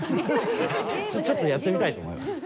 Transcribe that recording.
それちょっとやってみたいと思います。